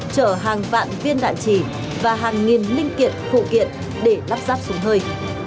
chở hàng vạn viên đạn trì và hàng nghìn linh kiện phụ kiện để lắp ráp súng hơi